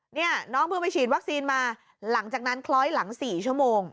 เนี่ยน้องเพิ่งไปฉีดวัคซีนมาหลังจากนั้นคล้อยหลัง๔ชั่วโมง